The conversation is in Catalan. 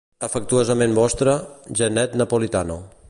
Afectuosament vostra, Janet Napolitano.